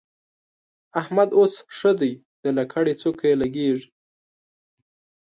احمد اوس ښه دی؛ د لکړې څوکه يې لګېږي.